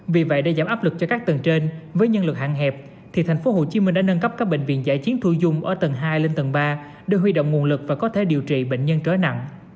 vì vậy để giảm áp lực cho các tầng trên với nhân lực hạn hẹp thì tp hcm đã nâng cấp các bệnh viện giải chiến thu dung ở tầng hai lên tầng ba để huy động nguồn lực và có thể điều trị bệnh nhân trở nặng